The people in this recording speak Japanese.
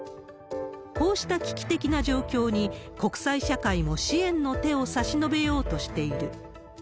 こうした危機的な状況に、国際社会も支援の手を差し伸べようとしている。